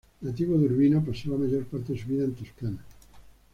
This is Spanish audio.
Nativo de Urbino, pasó la mayor parte de su vida en Toscana.